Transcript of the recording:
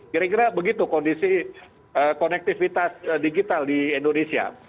kira kira begitu kondisi konektivitas digital di indonesia